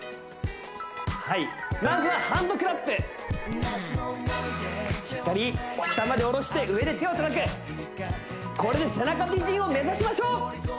はいまずはハンドクラップしっかり下まで下ろして上で手をたたくこれで背中美人を目指しましょう！ＯＫ！